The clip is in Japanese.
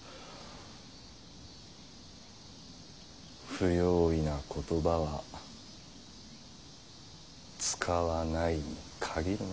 不用意な言葉は使わないに限るな。